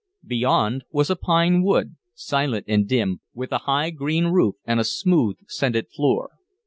Beyond was a pine wood, silent and dim, with a high green roof and a smooth and scented floor.